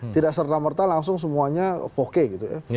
tidak serta merta langsung semuanya foke gitu ya